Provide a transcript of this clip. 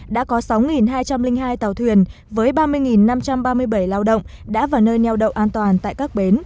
đã có sáu hai trăm linh hai tàu thuyền với ba mươi năm trăm ba mươi bảy lao động đã vào nơi neo đậu an toàn tại các bến